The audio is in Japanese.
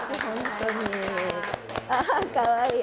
あかわいい。